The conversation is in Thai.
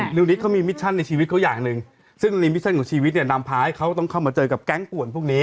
นิวนิดเขามีมิชชั่นในชีวิตเขาอย่างหนึ่งซึ่งในมิชชั่นของชีวิตเนี่ยนำพาให้เขาต้องเข้ามาเจอกับแก๊งป่วนพวกนี้